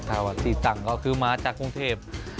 อ่าสิต่างก็คือมาจากกรุงเทพฯ